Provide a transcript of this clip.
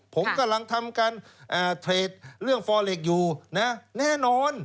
ผมกำลังทำการเทรดเรื่องฟอเล็กอยู่นะแน่นอน